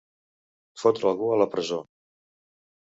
Fotre algú a la presó.